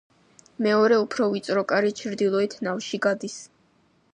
მეორე უფრო ვიწრო კარი ჩრდილოეთ ნავში გადის.